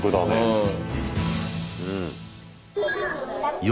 うん。